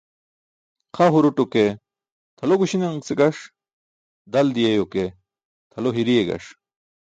Xa huruto ke tʰalo guśiṇance gaṣ, dal diyeyo ke tʰalo hiriye gaṣ.